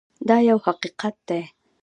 دا یو حقیقت دی.